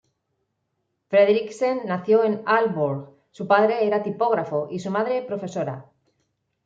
Frederiksen nació en Aalborg; su padre era tipógrafo y su madre profesora.